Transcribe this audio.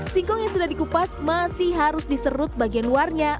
singkong yang sudah dikupas masih harus diserut bagian luarnya